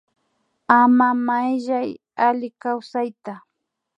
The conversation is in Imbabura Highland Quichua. Ama Mayllay Asi kawsayta